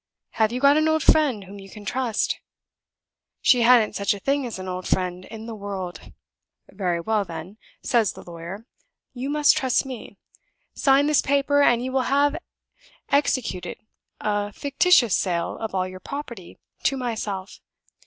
Have you got an old friend whom you can trust?' She hadn't such a thing as an old friend in the world. 'Very well, then,' says the lawyer, you must trust me. Sign this paper; and you will have executed a fictitious sale of all your property to myself.